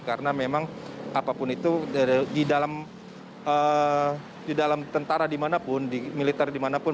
karena memang apapun itu di dalam tentara dimanapun di militer dimanapun